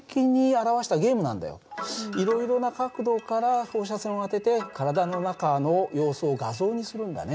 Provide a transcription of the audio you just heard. いろいろな角度から放射線を当てて体の中の様子を画像にするんだね。